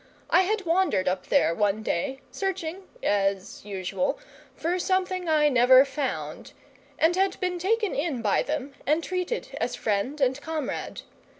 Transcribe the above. I had wandered up there one day, searching (as usual) for something I never found, and had been taken in by them and treated as friend and comrade.